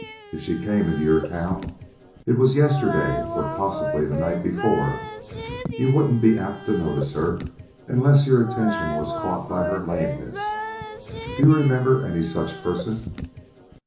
If she came into your town, it was yesterday or possibly the night before. You wouldn't be apt to notice her, unless your attention was caught by her lameness. Do you remember any such person?"